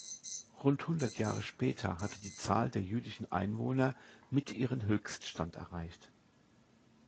Rund hundert Jahre später hatte die Zahl der jüdischen Einwohner mit ihren Höchststand erreicht.